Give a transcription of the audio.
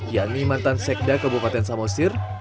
yakni mantan sekda kabupaten samosir